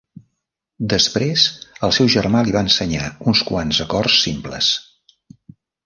Després el seu germà li va ensenyar uns quants acords simples.